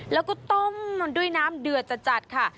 แล้วก็ต้มมันด้วยน้ำเดือดจัดค่ะ